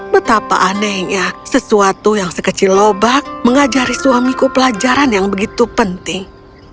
betapa anehnya sesuatu yang sekecil lobak mengajari suamiku pelajaran yang begitu penting